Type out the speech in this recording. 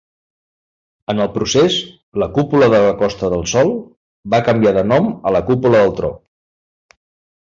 En el procés, la Cúpula de la Costa del Sol va canviar de nom a la Cúpula del Tro.